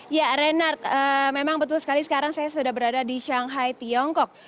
ya reinhardt memang betul sekali sekarang saya sudah berada di shanghai tiongkok